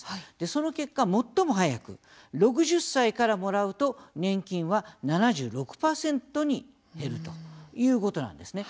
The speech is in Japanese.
その結果、最も早く６０歳からもらうと年金は７６％に減るということなんですね。